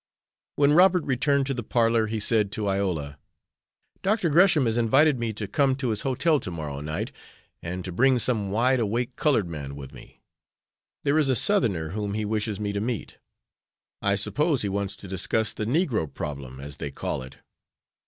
When Robert returned to the parlor he said to Iola: "Dr. Gresham has invited me to come to his hotel to morrow night, and to bring some wide awake colored man with me. There is a Southerner whom he wishes me to meet. I suppose he wants to discuss the negro problem, as they call it.